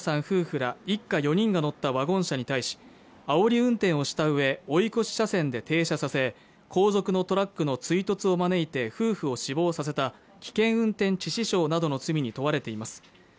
夫婦ら一家４人が乗ったワゴン車に対しあおり運転をしたうえ追い越し車線で停車させ後続のトラックの追突を招いて夫婦を死亡させた危険運転致死傷などの罪に問われています